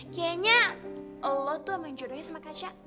kayaknya lo tuh emang jodohnya sama kaca